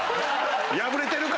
破れてるから。